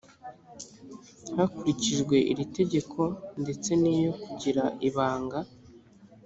hakurikijwe iri tegeko ndetse n iyo kugira ibanga